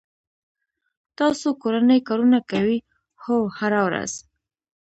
تاسو کورنی کارونه کوئ؟ هو، هره ورځ